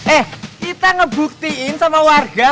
eh kita ngebuktiin sama warga